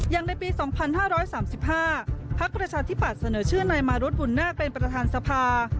อย่างในปี๒๕๓๕ภาครัชาธิบัตรเสนอชื่อในมารุทบุณนาคเป็นประธานสภา